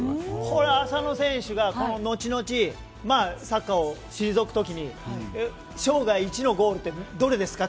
これ、浅野選手が後々サッカーを退く時に生涯一のゴールってどれですか？